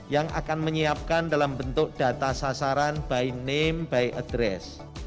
yang akan menyiapkan dalam bentuk data sasaran by name by address